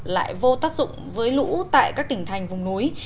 lại vô tác dụng với lũ tại các tỉnh thành vùng núi